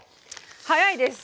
早いです。